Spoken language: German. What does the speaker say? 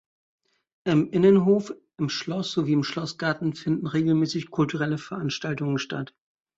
Im Innenhof, im Schloss sowie im Schlossgarten finden regelmässig kulturelle Veranstaltungen statt.